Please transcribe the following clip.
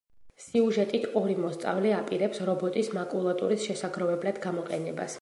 სიუჟეტით ორი მოსწავლე აპირებს რობოტის მაკულატურის შესაგროვებლად გამოყენებას.